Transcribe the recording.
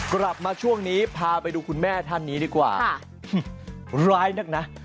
กลับมาช่วงนี้พาไปดูคุณแม่ท่านนี้ดีกว่าร้ายนักนะ